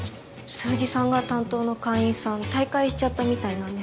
そよぎさんが担当の会員さん退会しちゃったみたいなんですよ。